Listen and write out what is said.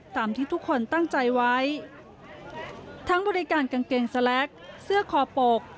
ตามที่ทุกคนตั้งใจไว้ทั้งบริการกางเกงสแล็กเสื้อคอปก